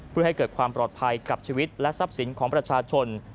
เพื่อให้เกิดความปลอดภัยกับชีวิตและทรัพย์สินของประชาชน